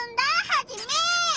ハジメ！